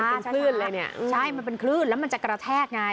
เป็นคลื่นเลยเนี่ยใช่มันเป็นคลื่นแล้วมันจะกระแทกไง